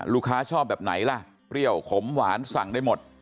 ชอบแบบไหนล่ะเปรี้ยวขมหวานสั่งได้หมด